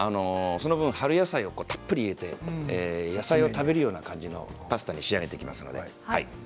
その後、春野菜をたっぷり入れて野菜を食べるような感じのパスタに仕上げていきます。